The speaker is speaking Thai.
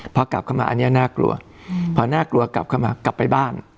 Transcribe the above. พอกลับเข้ามาอันนี้น่ากลัวพอน่ากลัวกลับเข้ามากลับไปบ้าน